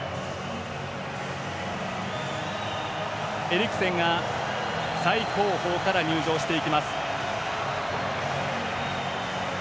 エリクセンが最後方から入場していきます。